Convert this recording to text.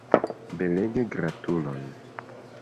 Belege, gratulon!